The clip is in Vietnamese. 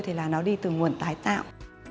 thì là nó đi từ nguồn tài tạo